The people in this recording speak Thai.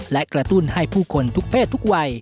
และกระตุ้นให้ผู้คนทุกเพศทุกวัย